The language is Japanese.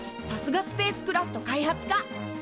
さすがスペースクラフト開発科！